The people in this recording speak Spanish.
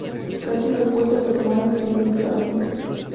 Casi lo opuesto a su hermano gemelo Claus.